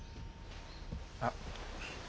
あっ。